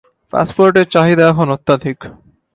পাসপোর্টের চাহিদা এখন অত্যাধিক।